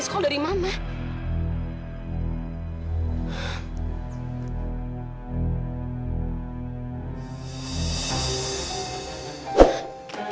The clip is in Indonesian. sekarang kamu mandi